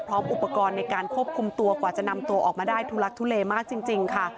พร้อมอุปกรณ์ในการควบคุมตัวกว่าจะนำตัวออกมาได้ทุลักทุเลมากจริงค่ะ